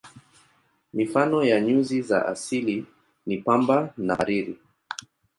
Mifano ya nyuzi za asili ni pamba na hariri.